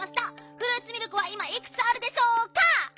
フルーツミルクはいまいくつあるでしょうか？」。